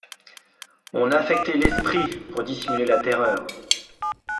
On affectait l'esprit pour dissimuler la terreur.